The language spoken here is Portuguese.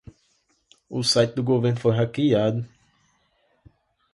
O site do governo foi hackeado